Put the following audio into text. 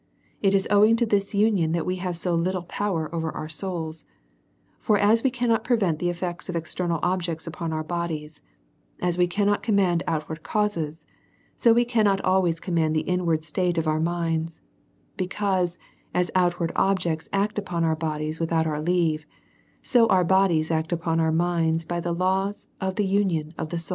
It is owing to this union that we have so little power over our souls ; for as we cannot prevent the effects of external objects upon our bodies, as we cannot command outward causes, so we cannot al o 194 A iSERIOUS CALL TO A ways command the inward state of our minds ; be cause^ as outward ol)jects act upon our bodies^ without our leave, so our bodies act upon our minds by the laws of the union of the sou!